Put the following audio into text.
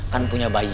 kan punya bayi